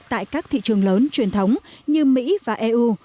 tại các thị trường lớn truyền thống như mỹ và eu